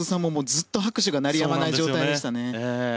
ずっと拍手が鳴りやまない状態でしたね。